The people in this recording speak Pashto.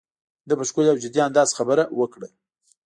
ده په ښکلي او جدي انداز خبره وکړه.